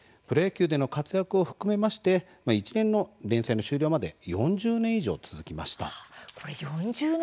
プロ野球での活躍を含めまして一連の連載の終了まで４０年以上続きました。